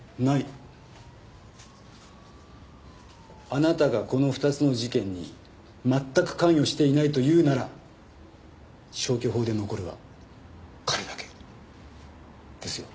あなたがこの２つの事件に全く関与していないと言うなら消去法で残るは彼だけですよ。